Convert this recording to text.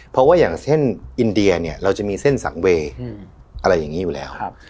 เพราะว่าอย่างเส้นอินเดียเนี่ยเราจะมีเส้นสังเวย์อะไรอย่างนี้อยู่แล้ว